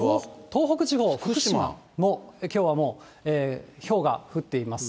東北地方、福島、きょうはもう、ひょうが降っています。